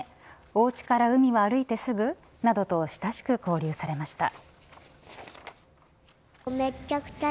おうちから海は歩いてすぐなどと親しく交流されました。